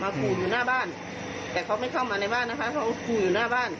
ขู่อยู่หน้าบ้านแต่เขาไม่เข้ามาในบ้านนะคะเขาขู่อยู่หน้าบ้าน